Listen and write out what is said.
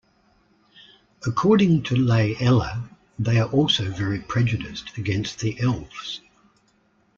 According to Lei'ella, they are also very prejudiced against the elves.